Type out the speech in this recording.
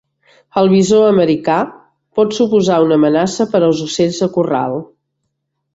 El visó americà pot suposar una amenaça per als ocells de corral.